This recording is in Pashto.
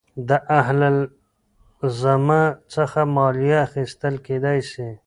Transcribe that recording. د اهل الذمه څخه مالیه اخیستل کېدلاى سي.